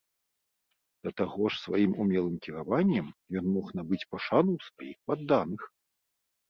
Да таго ж сваім умелым кіраваннем ён мог набыць пашану ў сваіх падданых.